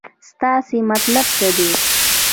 ستاسې مطلب څه دی.